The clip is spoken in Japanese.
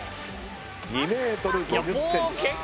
２ｍ５０ｃｍ。